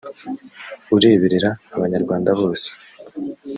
ureberera abanyarwanda bose